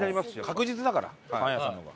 確実だからパン屋さんの方が。